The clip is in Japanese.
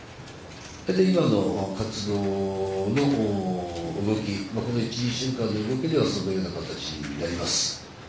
今の活動の動き、この１、２週間の動きではそのような形になります。